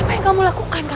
apa yang kamu lakukan kakak